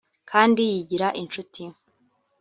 Kandi yigira inshuti